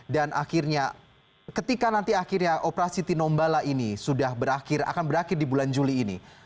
dan akhirnya ketika nanti akhirnya operasi tinombala ini sudah berakhir akan berakhir di bulan juli ini